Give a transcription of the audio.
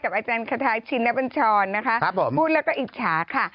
อาจารย์คาทาชินบัญชรนะคะพูดแล้วก็อิจฉาค่ะ